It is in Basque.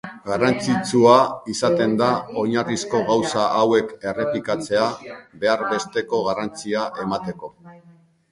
Garrantzitsua izaten da oinarrizko gauza hauek errepikatzea, behar besteko garrantzia emateko.